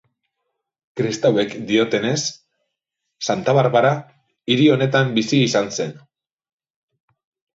Kristauek diotenez, Santa Barbara hiri honetan bizi izan zen.